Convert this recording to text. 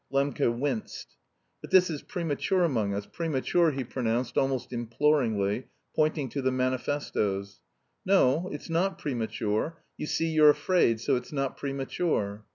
Lembke winced. "But this is premature among us, premature," he pronounced almost imploringly, pointing to the manifestoes. "No, it's not premature; you see you're afraid, so it's not premature."